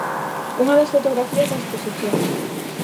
Unha das fotografías da exposición.